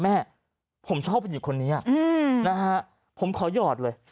แม่ผมชอบผู้ชมคนนี้ผมขอหยอดเลย